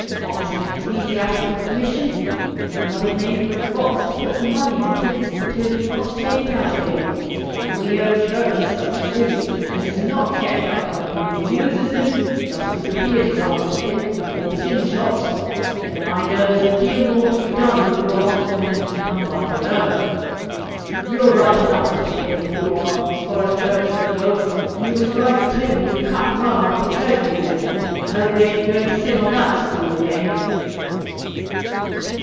What's an Ecclesiastical Commission? Only another name for a box to put the money into till you want to take it out again. When we hear of Churches such as these, as is not kept up by the people who uses them, just as the theatres are, Mr. Finn, or the gin shops, then I know there's a deal more to be done before honest men can come by their own. You're right enough, Mr. Finn, you are, as far as churches go, and you was right, too, when you cut and run off the Treasury Bench. I hope you ain't going to sit on that stool again."